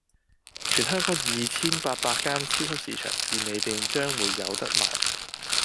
全香港二千八百間超級市場、便利店將會有得賣